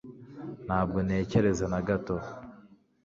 ntabwo ntekereza na gato